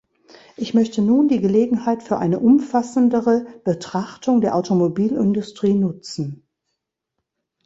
Ich möchte nun die Gelegenheit für eine umfassendere Betrachtung der Automobilindustrie nutzen.